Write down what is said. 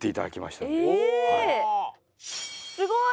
すごい。